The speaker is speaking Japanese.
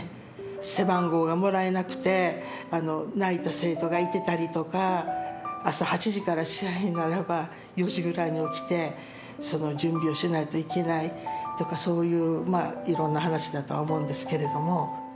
背番号がもらえなくて泣いた生徒がいてたりとか朝８時から試合ならば４時ぐらいに起きてその準備をしないといけないとかそういういろんな話だとは思うんですけれども。